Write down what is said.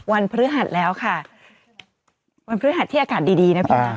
พฤหัสแล้วค่ะวันพฤหัสที่อากาศดีดีนะพี่นะ